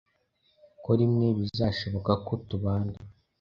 Ko rimwe bizashoboka ko tubana